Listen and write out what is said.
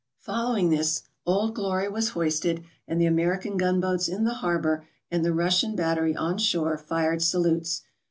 Following this, "Old Glory" was hoisted, and the American gunboats in the harbour and the Russian bat tery on shore fired salutes.